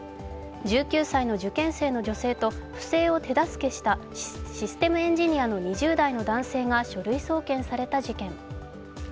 １９歳の受験生の女性と不正を手助けしたシステムエンジニアの２０代の男性が書類送検された事件。